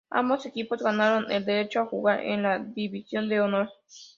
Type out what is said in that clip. Ambos equipos ganaron el derecho a jugar en la división de honor.